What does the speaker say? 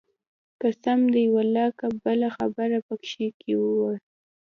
قسم دى ولله که بله خبره پکښې کښې وي.